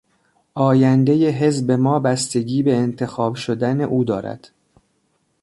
آیندهی حزب ما بستگی به انتخاب شدن او دارد.